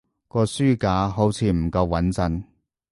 個書架好似唔夠穏陣